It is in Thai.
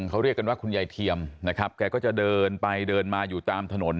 เขาเรียกกันว่าคุณยายเทียมนะครับแกก็จะเดินไปเดินมาอยู่ตามถนน